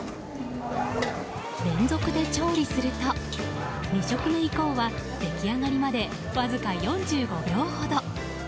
連続で調理すると２食目以降は出来上がりまでわずか４５秒ほど。